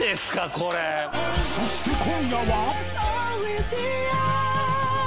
［そして今夜は］